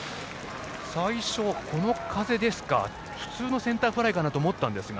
この風ですから、最初は普通のセンターフライかと思ったんですが。